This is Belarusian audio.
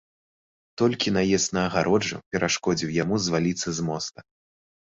Толькі наезд на агароджу перашкодзіў яму зваліцца з моста.